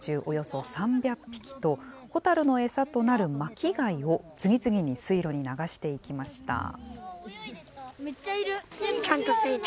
およそ３００匹と、ホタルの餌となる巻き貝を次々に水路に流していきました。